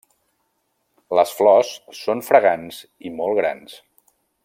Les flors són fragants i molt grans.